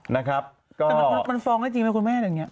ก็แฟนกรับมันฟองได้จริงไหมคุณแม่แบบนี้